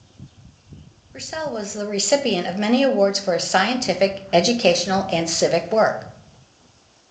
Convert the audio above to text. Purcell was the recipient of many awards for his scientific, educational, and civic work.